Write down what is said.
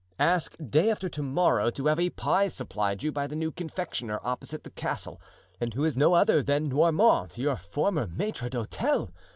Ask day after to morrow to have a pie supplied you by the new confectioner opposite the castle, and who is no other than Noirmont, your former maitre d'hotel.